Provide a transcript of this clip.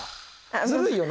ずるいよな？